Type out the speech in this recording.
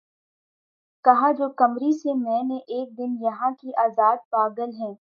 کہا جو قمری سے میں نے اک دن یہاں کے آزاد پاگل ہیں